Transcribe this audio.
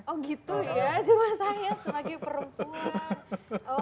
oh gitu ya cuma saya sebagai perempuan